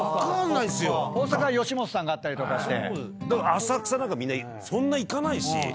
浅草なんかみんなそんな行かないし。